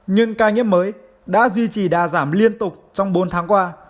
nhưng ca nghiễm mới đã duy trì đa giảm liên tục trong bốn tháng qua